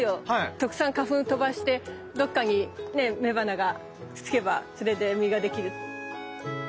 たくさん花粉飛ばしてどっかにね雌花がくっつけばそれで実ができる。